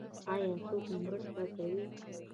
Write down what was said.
ایا څوک مو مرسته کوي؟